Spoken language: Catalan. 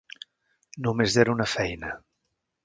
Només era una feina.